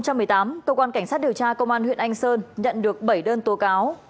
cơ quan cảnh sát điều tra công an huyện anh sơn nhận được bảy đơn tố cáo